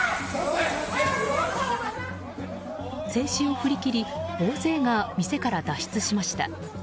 制止を振り切り大勢が店から脱出しました。